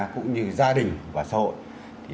cũng như gia đình và xã hội